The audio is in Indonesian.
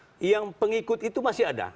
oh iya artinya yang pengikut itu masih ada